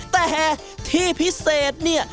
แต่ที่พิเศษเนี่ย